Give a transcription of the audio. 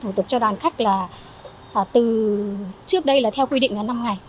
từ lúc nộp hồ sơ gốc cho đến khi hoàn thiện được một thủ tục cho đoàn khách là từ trước đây là theo quy định là năm ngày